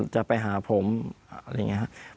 จะไปหาผมอะไรอย่างนี้ครับ